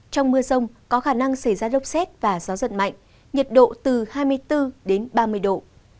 trong mưa rông có khả năng xảy ra lốc xét và gió giật mạnh nhiệt độ từ hai mươi bốn đến ba mươi độ